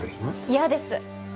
嫌です！